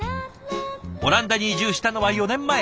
オランダに移住したのは４年前。